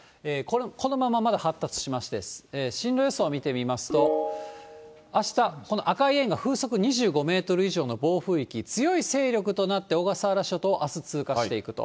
このまままだ発達しまして、進路予想を見てみますと、あした、この赤い円が風速２５メートル以上の暴風域、強い勢力となって小笠原諸島をあす通過していくと。